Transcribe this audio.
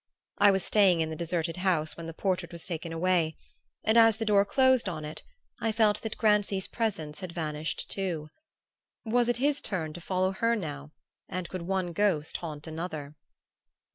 I was staying in the deserted house when the portrait was taken away; and as the door closed on it I felt that Grancy's presence had vanished too. Was it his turn to follow her now, and could one ghost haunt another?